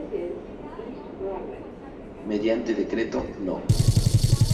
Mediante Decreto No.